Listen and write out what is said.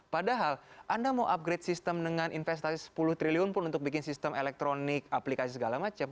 padahal anda mau upgrade sistem dengan investasi sepuluh triliun pun untuk bikin sistem elektronik aplikasi segala macam